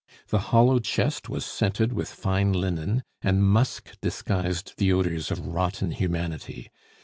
The hollow chest was scented with fine linen, and musk disguised the odors of rotten humanity.